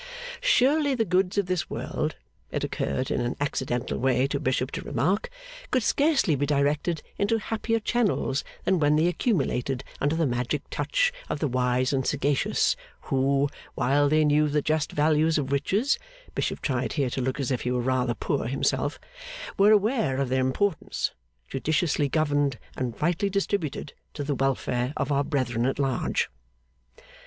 Surely the goods of this world, it occurred in an accidental way to Bishop to remark, could scarcely be directed into happier channels than when they accumulated under the magic touch of the wise and sagacious, who, while they knew the just value of riches (Bishop tried here to look as if he were rather poor himself), were aware of their importance, judiciously governed and rightly distributed, to the welfare of our brethren at large.